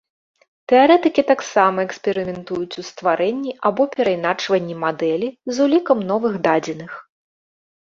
Тэарэтыкі таксама эксперыментуюць ў стварэнні або перайначванні мадэлі з улікам новых дадзеных.